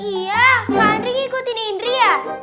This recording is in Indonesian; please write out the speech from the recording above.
iya kak andri ngikutin indri ya